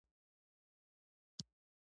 ازادي راډیو د د بیان آزادي کیسې وړاندې کړي.